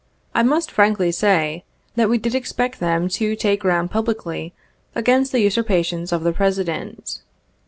I must frankly say, that we did expect them to take ground publicly against the usurpations of the President.